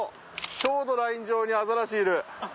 ちょうどライン上にアザラシいる。